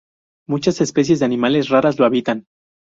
Muchas especies de animales raras lo habitan.